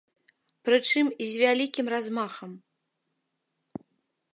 Прычым з вялікім размахам.